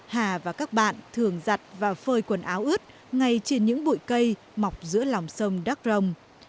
hà và các bạn thường giặt và phơi quần áo ướt ngay trên những bụi cây mọc giữa lòng sông đắk rông